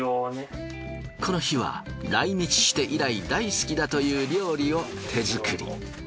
この日は来日して以来大好きだという料理を手作り。